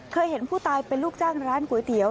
เห็นผู้ตายเป็นลูกจ้างร้านก๋วยเตี๋ย